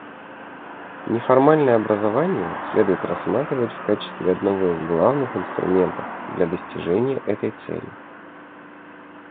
Неформальное образование следует рассматривать в качестве одного из главных инструментов для достижения этой цели.